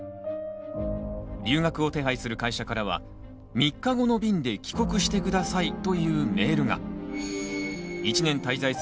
留学を手配する会社からは「３日後の便で帰国してください」というメールが。